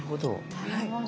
なるほど。